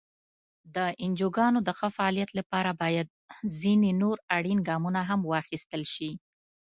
د انجوګانو د ښه فعالیت لپاره باید ځینې نور اړین ګامونه هم واخیستل شي.